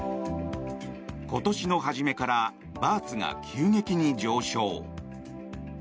今年の初めからバーツが急激に上昇。